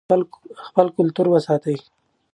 خپل کلتور وساتئ.